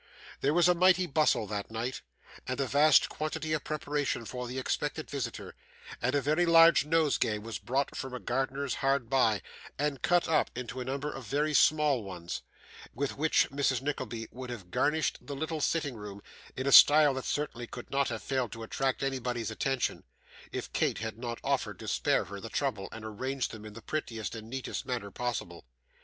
There was a mighty bustle that night, and a vast quantity of preparation for the expected visitor, and a very large nosegay was brought from a gardener's hard by, and cut up into a number of very small ones, with which Mrs. Nickleby would have garnished the little sitting room, in a style that certainly could not have failed to attract anybody's attention, if Kate had not offered to spare her the trouble, and arranged them in the prettiest and neatest manner possible.